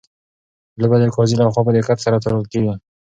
لوبه د قاضي لخوا په دقت سره څارل کیږي.